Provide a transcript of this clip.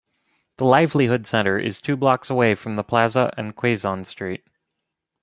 The Livelihood Center is two blocks away from the Plaza and Quezon Street.